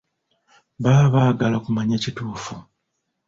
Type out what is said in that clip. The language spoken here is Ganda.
Baba baagala kumanya kituufu.